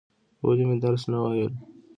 ولې مې درس نه وایل؟